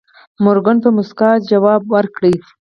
مورګان په موسکا ځواب ورکړ.